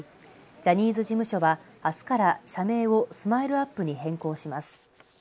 ジャニーズ事務所はあすから社名をＳＭＩＬＥ‐ＵＰ．に変更します。